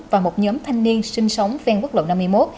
và một nhóm thanh niên sinh sống ven quốc lộ năm mươi một